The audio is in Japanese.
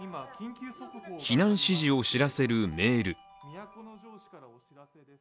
避難指示を知らせるメール。